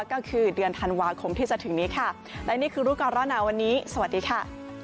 ก็คือเดือนธันวาคมที่จะถึงนี้ค่ะและนี่คือรู้ก่อนร้อนหนาวันนี้สวัสดีค่ะ